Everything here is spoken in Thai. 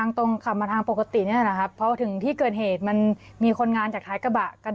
อันนี้ชนไหม